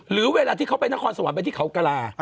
หรือเวลาที่เขาไปนครสวรรไปที่เขากระลา